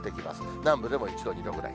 南部でも１度、２度くらい。